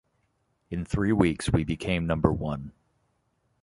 In three weeks, we became number one.